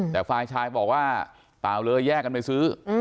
แต่ฝ่ายชายบอกว่าเปล่าเลยแยกกันไปซื้อ